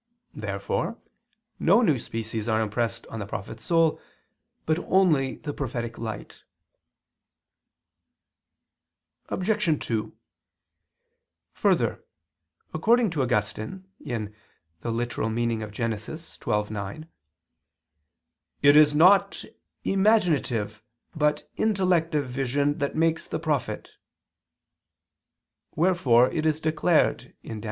Therefore no new species are impressed on the prophet's soul, but only the prophetic light. Obj. 2: Further, according to Augustine (Gen. ad lit. xii, 9), "it is not imaginative but intellective vision that makes the prophet"; wherefore it is declared (Dan.